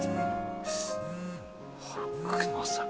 福野さん。